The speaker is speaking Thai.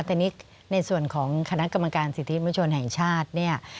แต่นี่ในส่วนของคณะกรรมการสิทธิมชนแห่งชาติเนี่ย